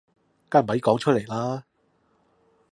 梗係咪講出嚟啦